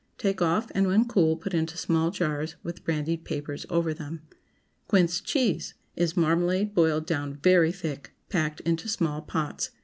Take off, and when cool put into small jars, with brandied papers over them. QUINCE CHEESE Is marmalade boiled down very thick, packed into small pots.